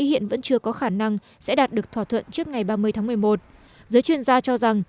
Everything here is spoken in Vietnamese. hiện vẫn chưa có khả năng sẽ đạt được thỏa thuận trước ngày ba mươi tháng một mươi một giới chuyên gia cho rằng